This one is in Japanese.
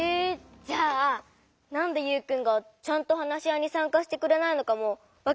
じゃあなんでユウくんがちゃんと話し合いにさんかしてくれないのかもわかるのかな？